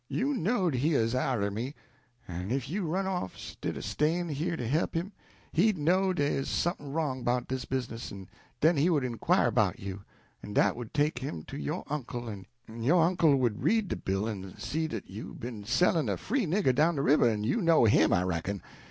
You knowed he 'uz arter me; en if you run off, 'stid o' stayin' here to he'p him, he'd know dey 'uz somethin' wrong 'bout dis business, en den he would inquire 'bout you, en dat would take him to yo' uncle, en yo' uncle would read de bill en see dat you be'n sellin' a free nigger down de river, en you know him, I reckon!